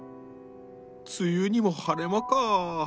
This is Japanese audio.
梅雨にも晴れ間か。